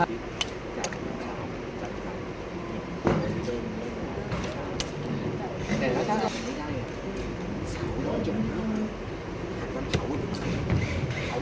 พี่อัดมาสองวันไม่มีใครรู้หรอก